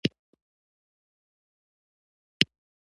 د بولان دره په سویل کې ده